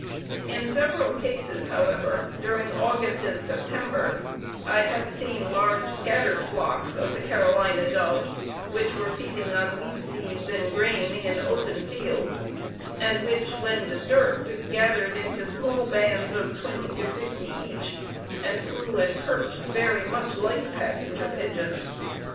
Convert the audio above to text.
In several cases, however, during August and September I have seen large scattered flocks of the Carolina dove which were feeding on weed seeds and grain in open fields, and which when disturbed, gathered into small bands of twenty to fifty each and flew and perched very much like Passenger Pigeons.